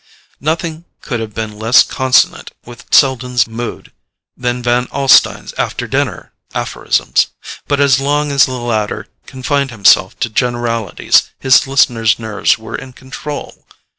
Nothing could have been less consonant with Selden's mood than Van Alstyne's after dinner aphorisms, but as long as the latter confined himself to generalities his listener's nerves were in control.